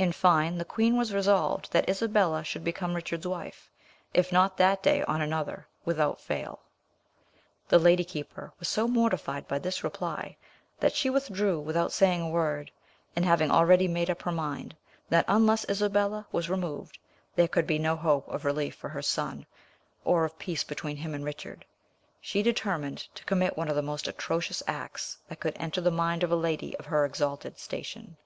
In fine, the queen was resolved that Isabella should become Richard's wife, if not that day, on another, without fail. The lady keeper was so mortified by this reply that she withdrew without saying a word; and having already made up her mind that unless Isabella was removed there could be no hope of relief for her son or of peace between him and Richard, she determined to commit one of the most atrocious acts that could enter the mind of a lady of her exalted station.